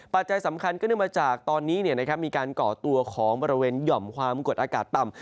ปัจจัยสำคัญก็เนื่องมาจากตอนนี้มีการก่อตัวของบริเวณหย่อมความกดอากาศต่ำ